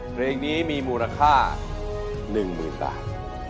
เพลงนี้มีมูลค่า๑๐๐๐บาท